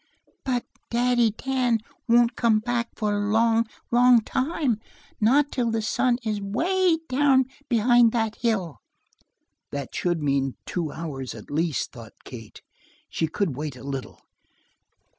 "But Daddy Dan won't come back for long, long time. Not till the sun is away down behind that hill." That should mean two hours, at least, thought Kate. She could wait a little.